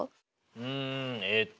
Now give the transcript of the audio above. うんえっと